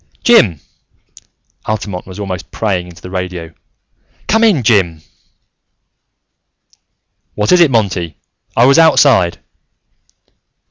"Jim!" Altamont was almost praying into the radio "Come in, Jim!" "What is it, Monty? I was outside."